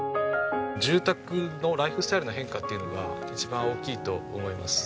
住宅のライフスタイルの変化っていうのが一番大きいと思います。